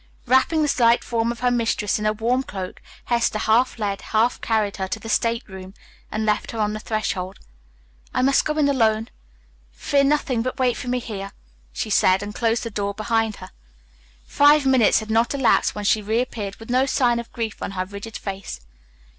Wrapping the slight form of her mistress in a warm cloak, Hester half led, half carried her to the state room, and left her on the threshold. "I must go in alone; fear nothing, but wait for me here," she said, and closed the door behind her. Five minutes had not elapsed when she reappeared with no sign of grief on her rigid face.